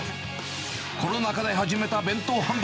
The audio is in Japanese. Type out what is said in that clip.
コロナ禍で始めた弁当販売。